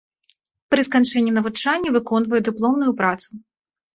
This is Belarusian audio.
Пры сканчэнні навучання выконвае дыпломную працу.